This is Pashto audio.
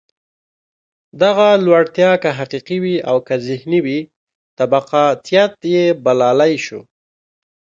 دغه لوړتیا که حقیقي وي او که ذهني وي، طبقاتيت یې بللای شو.